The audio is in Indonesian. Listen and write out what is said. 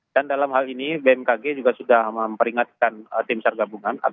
dan dalam hal ini bmkg juga sudah memperingatkan tim car gabungan